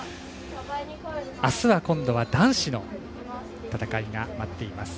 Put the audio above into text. あすは、今度は男子の戦いが待っています。